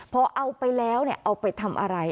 พอเอาไปแล้วเอาไปทำอะไร